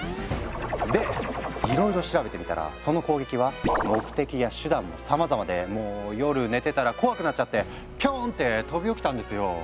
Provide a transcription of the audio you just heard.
でいろいろ調べてみたらその攻撃は目的や手段もさまざまでもう夜寝てたら怖くなっちゃってピョン！って飛び起きたんですよ。